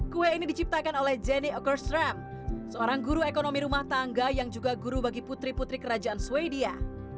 kue ini diciptakan oleh jenny okerstram seorang guru ekonomi rumah tangga yang juga guru bagi putri putri kerajaan sweden